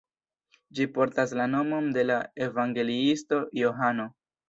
Ĝi portas la nomon de la evangeliisto Johano.